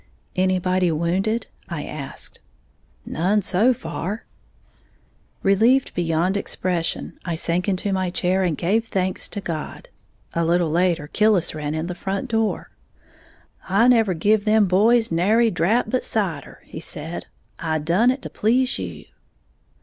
"Anybody wounded?" I asked. "None so far." Relieved beyond expression, I sank into a chair and gave thanks to God. A little later, Killis ran in the front door. "I never give them boys nary drap but cider," he said; "I done it to please you!"